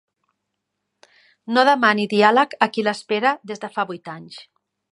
No demani diàleg a qui l’espera des de fa vuit anys.